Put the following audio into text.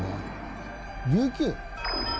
「琉球」！